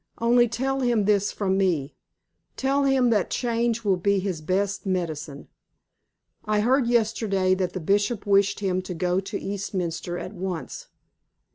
Only tell him this from me. Tell him that change will be his best medicine. I heard yesterday that the Bishop wished him to go to Eastminster at once.